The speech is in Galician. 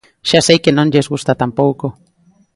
Xa sei que non lles gusta tampouco.